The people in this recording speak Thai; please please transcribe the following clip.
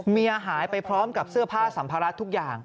หายไปพร้อมกับเสื้อผ้าสัมภาระทุกอย่าง